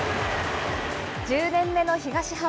１０年目の東浜。